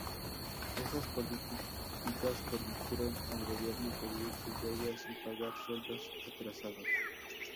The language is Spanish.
Estas políticas permitieron al gobierno cubrir sus deudas y pagar sueldos atrasados.